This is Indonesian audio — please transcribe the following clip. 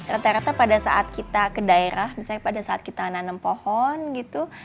rata rata pada saat kita ke daerah misalnya pada saat kita nanam pohon gitu